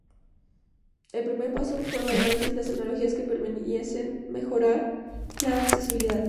El primer paso fue evaluar distintas tecnologías que permitiesen mejorar la accesibilidad.